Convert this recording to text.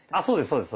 そうです。